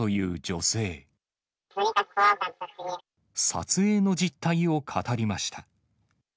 撮影の実態を語りました。